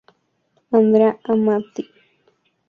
Andrea Amati estableció entonces la forma del violín actual.